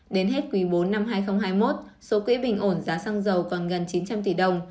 đến hết quý bốn năm hai nghìn hai mươi một số quỹ bình ổn giá xăng dầu còn gần chín trăm linh tỷ đồng